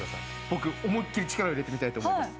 僕思いっきり力を入れてみたいと思います。